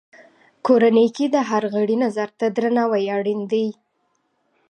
کورنۍ کې د هر غړي نظر ته درناوی اړین دی.